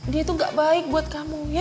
dia tuh gak baik buat kamu ya